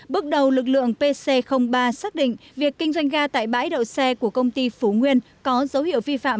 bước đầu lực lượng pc ba xác định việc kinh doanh ga tại bãi đậu xe của công ty phú nguyên có dấu hiệu vi phạm